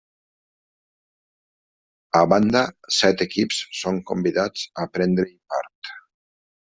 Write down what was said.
A banda, set equips són convidats a prendre-hi part.